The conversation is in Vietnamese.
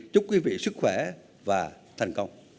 chúc quý vị sức khỏe và thành công